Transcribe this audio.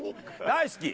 大好き！